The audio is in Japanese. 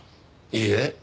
いいえ。